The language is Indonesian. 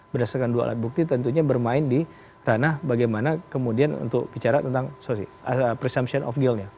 berdasarkan dua alat bukti tentunya bermain di ranah bagaimana kemudian untuk bicara tentang presumption of deal nya